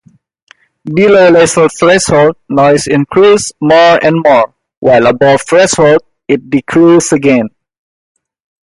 Below laser threshold noise increases more and more while above threshold it decreases again.